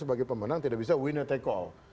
sebagai pemenang tidak bisa winner take all